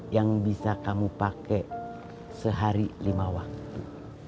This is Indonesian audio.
yang bisa kamu pakai sehari lima waktu